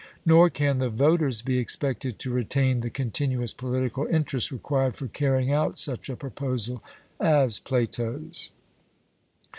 Nor can the voters be expected to retain the continuous political interest required for carrying out such a proposal as Plato's.